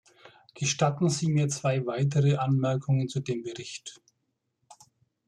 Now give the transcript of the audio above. Gestatten Sie mir zwei weitere Anmerkungen zu dem Bericht.